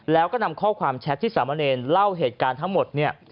แล้วก็นำข้อความแชทที่สามะเนรเล่าเหตุการณ์ทั้งหมดเนี่ย